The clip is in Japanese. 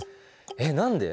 えっ何で？